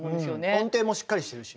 音程もしっかりしてるしね。